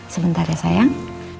sebentar ya sayang